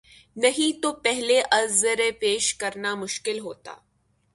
نہیں تو پہلے عذر پیش کرنا مشکل ہوتا۔